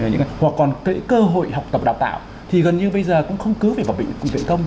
hoặc còn cái cơ hội học tập đào tạo thì gần như bây giờ cũng không cứ về bệnh công